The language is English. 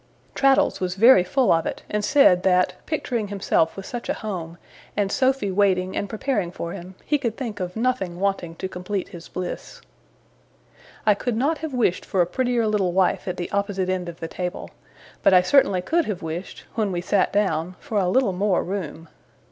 Traddles was very full of it; and said, that, picturing himself with such a home, and Sophy waiting and preparing for him, he could think of nothing wanting to complete his bliss. I could not have wished for a prettier little wife at the opposite end of the table, but I certainly could have wished, when we sat down, for a little more room.